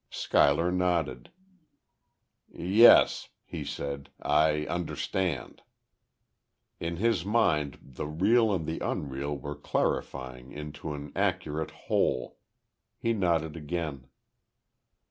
Schuyler nodded. "Yes," he said. "I understand." In his mind the real and the unreal were clarifying into an accurate whole. He nodded again.